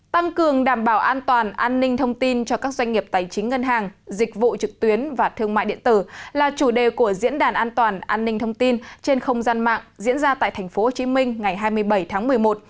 tăng cường đảm bảo an toàn an ninh thông tin cho các doanh nghiệp tài chính ngân hàng dịch vụ trực tuyến và thương mại điện tử là chủ đề của diễn đàn an toàn an ninh thông tin trên không gian mạng diễn ra tại tp hcm ngày hai mươi bảy tháng một mươi một